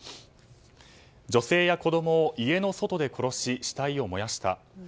女性や子供を家の外で殺し死体を燃やした。